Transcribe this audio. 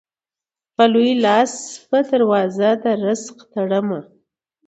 په لوی لاس به دروازه د رزق تړمه